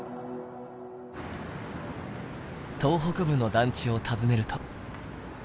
東北部の団地を訪ねると。